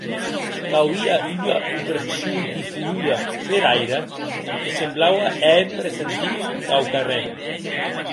Qu'auie ua opression, difonuda per aire, que semblaue hèr presentir quauquarren.